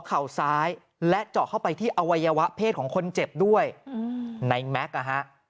เข่าซ้ายและเจาะเข้าไปที่อวัยวะเพศของคนเจ็บด้วยในแม็กซ์อ่ะฮะ